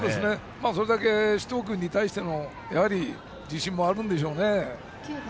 それだけ首藤君に対しての自信もあるんでしょうね。